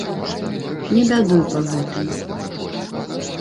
Не бядуй па гэтым!